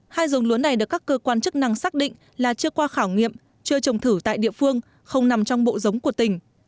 hai dống lúa này được các cơ quan chức năng xác định là chưa qua khảo nghiệm chưa trồng thử tại địa phương không nằm trong bộ giống của tỉnh